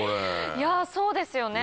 いやそうですよね。